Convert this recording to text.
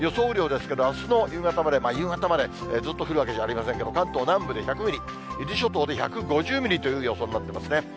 雨量ですけど、あすの夕方まで、ずっと降るわけじゃありませんけど、関東南部で１００ミリ、伊豆諸島で１５０ミリという予想になってますね。